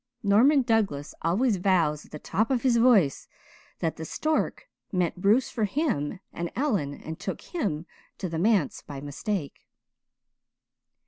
Norman Douglas always vows at the top of his voice that the stork meant Bruce for him and Ellen and took him to the manse by mistake."